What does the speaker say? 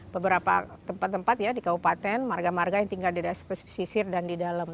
beberapa tempat tempat ya di kabupaten marga marga yang tinggal di daerah pesisir dan di dalam